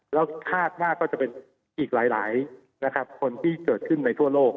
แล้วคาดว่าก็จะเป็นอีกหลายคนที่เกิดขึ้นในทั่วโลก